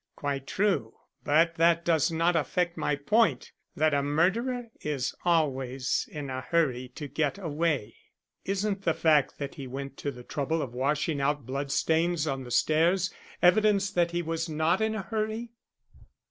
"Quite true. But that does not affect my point that a murderer is always in a hurry to get away." "Isn't the fact that he went to the trouble of washing out blood stains on the stairs evidence that he was not in a hurry?"